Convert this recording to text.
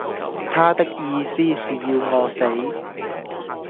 他的意思是要我死。